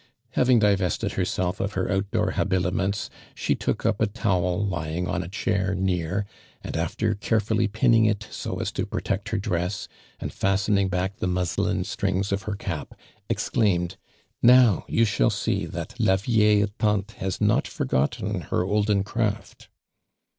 Having divested liersolf of licr out door habiliments, she tool< up a towel lying on n chair near and after carefully pinning it so a«! to protect her dress, and fastening back the muslin strings of her cap, exclaimed: "Now you shall see that la rictli: taiih: has not foi gotten heroldeti craft."